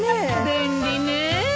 便利ね。